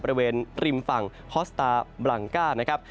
บริเวณริมฝั่งฮอสตาร์บรังก้านะครับ